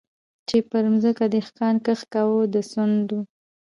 چي پر مځکه دهقان کښت کاوه د سونډو